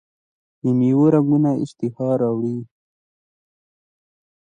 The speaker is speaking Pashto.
د میوو رنګونه اشتها راوړي.